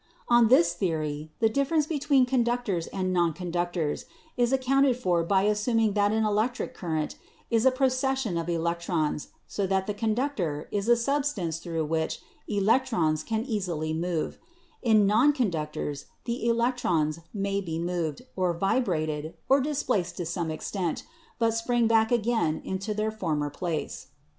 "On this theory the difference between conductors and non conductors is accounted for by assuming that an elec tric current is a procession of electrons, so that a con ductor is a substance through which electrons can easily move; in non conductors the electrons may be moved, or vibrated, or displaced to some extent, but spring back again into their former place.